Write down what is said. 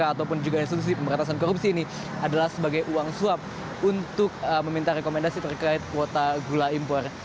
ataupun juga institusi pemberantasan korupsi ini adalah sebagai uang suap untuk meminta rekomendasi terkait kuota gula impor